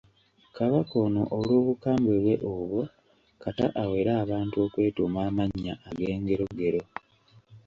Kabaka ono olw'obukambwe bwe obwo, kata awere abantu okwetuuma amannya ag'engerogero.